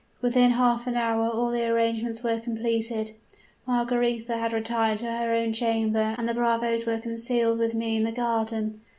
Within half an hour all the arrangements were completed. Margaretha had retired to her own chamber and the bravoes were concealed with me in the garden.